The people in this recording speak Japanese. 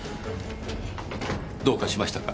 どうかしましたか？